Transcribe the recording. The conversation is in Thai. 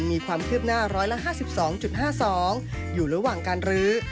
มีความคืบหน้า๑๕๒๕๒อยู่ระหว่างการรื้อ